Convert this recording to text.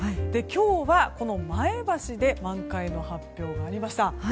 今日は前橋で満開の発表がありました。